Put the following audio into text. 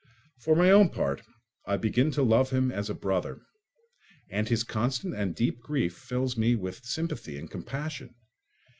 For my own part, I begin to love him as a brother, and his constant and deep grief fills me with sympathy and compassion.